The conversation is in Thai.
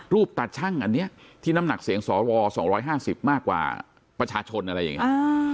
ตาชั่งอันนี้ที่น้ำหนักเสียงสว๒๕๐มากกว่าประชาชนอะไรอย่างนี้